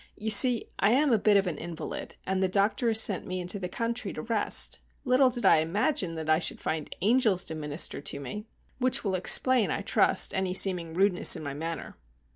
You see, I am a bit of an invalid, and the doctor has sent me into the country to rest. Little did I imagine that I should find angels to minister to me! Which will explain, I trust, any seeming rudeness in my manner."